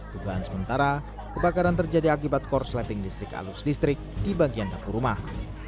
dugaan sementara kebakaran terjadi akibat korsleting listrik alus listrik di bagian dapur rumah